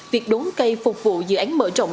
việc đốn cây phục vụ dự án mở rộng